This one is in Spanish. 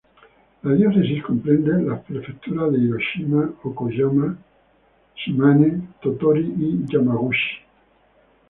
La diócesis comprende las prefecturas de Hiroshima, Okayama, Shimane, Tottori y Yamaguchi.